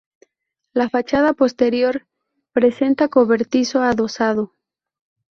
La fachada posterior presenta cobertizo adosado.